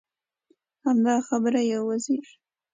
همدغه خبره یو وزیر.